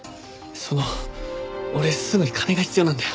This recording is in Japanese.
その俺すぐに金が必要なんだよ。